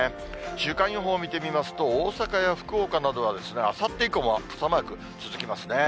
週間予報を見てみますと、大阪や福岡などはあさって以降も傘マーク続きますね。